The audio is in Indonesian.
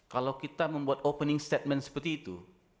kalau kita membuat opening statement seperti itu